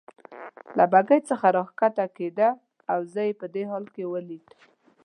له بګۍ څخه راکښته کېده او زه یې په دې حال کې ولید.